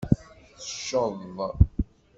Tecceḍ.